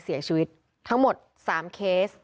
เสียชีวิตทั้งหมด๓เคส